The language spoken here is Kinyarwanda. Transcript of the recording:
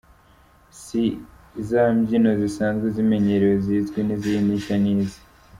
Si za mbyino zisanzwe zimenyerewe zizwi, ni izindi nshya nize.